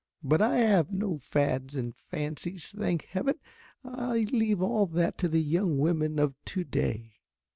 But I have no fads and fancies, thank heaven, I leave all that to the young women of to day."